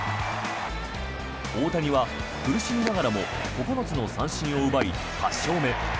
大谷は苦しみながらも９つの三振を奪い８勝目。